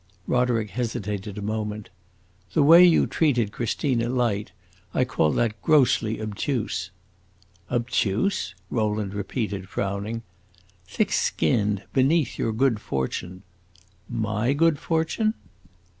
Roderick hesitated a moment. "The way you treated Christina Light. I call that grossly obtuse." "Obtuse?" Rowland repeated, frowning. "Thick skinned, beneath your good fortune." "My good fortune?"